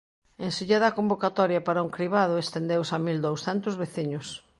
En Silleda a convocatoria para un cribado estendeuse a mil douscentos veciños.